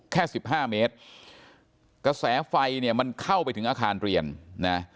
สิบห้าเมตรกระแสไฟเนี่ยมันเข้าไปถึงอาคารเรียนนะ